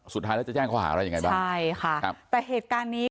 สุดท้ายละจะแจ้งข้อหาอะไรยังไงบ้าง